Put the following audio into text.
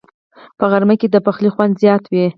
په غرمه کې د پخلي خوند زیات وي